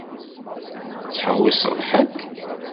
Tettḥewwiseḍ ḥedd?